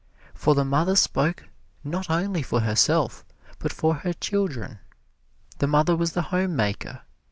For the mother spoke not only for herself, but for her children. The mother was the home maker.